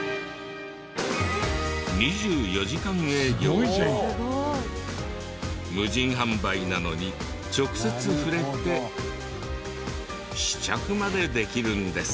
「ムジンノフクヤ」無人販売なのに直接触れて試着までできるんです。